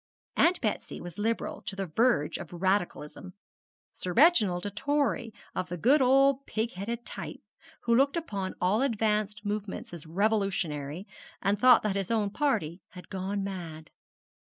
Aunt Betsy was Liberal to the verge of Radicalism; Sir Reginald a Tory of the good old pig headed type, who looked upon all advance movements as revolutionary, and thought that his own party had gone mad.